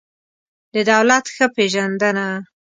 د دولت ښه پېژندنه